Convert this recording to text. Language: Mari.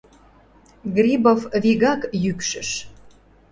— Грибов вигак йӱкшыш.